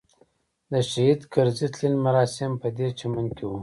د شهید کرزي تلین مراسم په دې چمن کې وو.